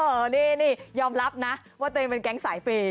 เออนี่ที่ยอมรับนะว่าเตะยังไงสายเปย์